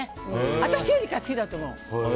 私よりか好きだったの。